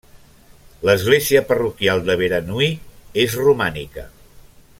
L'església parroquial de Beranui és romànica: